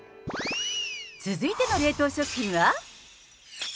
続いての冷凍食品は。